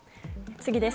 次です。